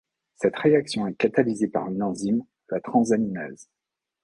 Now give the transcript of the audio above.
Cette réaction est catalysée par une enzyme, la transaminase.